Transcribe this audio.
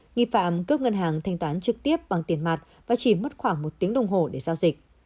nghi phạm cướp ngân hàng thanh toán trực tiếp bằng tiền mặt và chỉ mất khoảng một tiếng đồng hồ để giao dịch